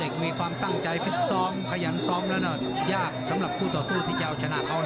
มีความตั้งใจฟิตซ้อมขยันซ้อมแล้วยากสำหรับคู่ต่อสู้ที่จะเอาชนะเขา